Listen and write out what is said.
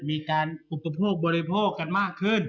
มีการอุปโภคบริโภคกันมากขึ้น